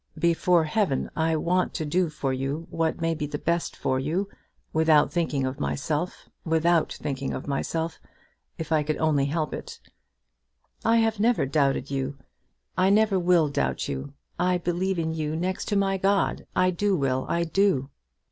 "Before heaven I want to do for you what may be the best for you, without thinking of myself; without thinking of myself, if I could only help it." "I have never doubted you. I never will doubt you. I believe in you next to my God. I do, Will; I do."